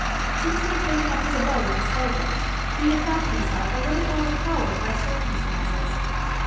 Since he had taken up his abode in Slowbridge, he had felt himself a little overpowered by circumstances.